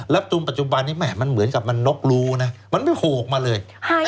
แล้วตูนปัจจุบันนี้แม่มันเหมือนกับมันนกรู้นะมันไม่โหกมาเลย